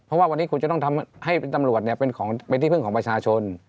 เพราะว่าวันนี้คุณจะต้องทำให้ตำรวจเนี่ยเป็นของเป็นที่เพิ่งของประชาชน